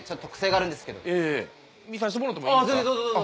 見させてもろてもいいですか？